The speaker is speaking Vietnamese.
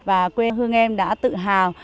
và quê hương em đã tự hào